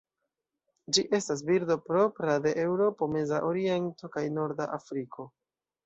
Ĝi estas birdo propra de Eŭropo, Meza Oriento kaj Norda Afriko.